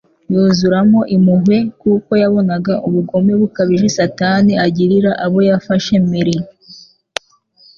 Yuzura impuhwe kuko yabonaga ubugome bukabije Satani agirira abo yafashe mpiri.